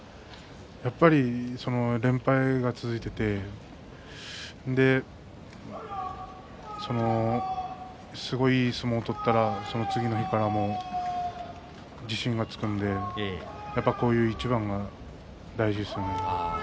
やっぱり連敗が続いていてすごい、いい相撲を取ったらその次の日から自信がつくんでやはり、こういう一番が大事ですよね。